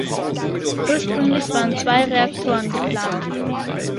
Ursprünglich waren zwei Reaktoren geplant.